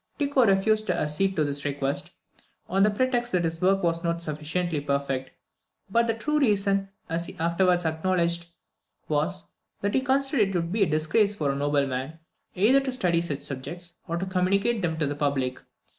Tycho refused to accede to this request, on the pretext that his work was not sufficiently perfect; but the true reason, as he afterwards acknowledged, was, that he considered it would be a disgrace for a nobleman, either to study such subjects, or to communicate them to the public.